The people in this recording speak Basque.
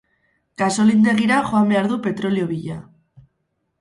Gasolindegira joan behar du petrolio bila.